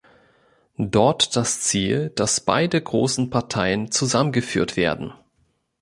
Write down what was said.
Dort das Ziel, dass beide großen Parteien zusammengeführt werden.